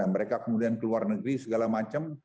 mereka kemudian ke luar negeri segala macam